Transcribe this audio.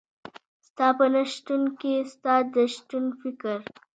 ستا په نشتون کي ستا د شتون فکر